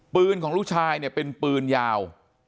ของลูกชายเนี่ยเป็นปืนยาว